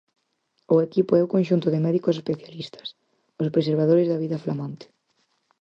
O Equipo é o conxunto de médicos especialistas; os preservadores da vida flamante.